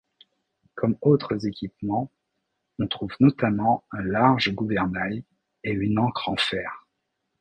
Comme autres équipements on trouve notamment un large gouvernail et une ancre en fer.